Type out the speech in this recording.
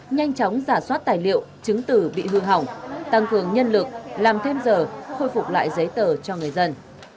nhanh chóng giả soát tài liệu chứng tử bị hư hỏng tăng cường nhân lực làm thêm giờ khôi phục lại giấy tờ cho người dân